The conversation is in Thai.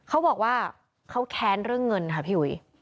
เขาบอกว่าเขาแค้นเรื่องเงินค่ะพี่อุ๋ย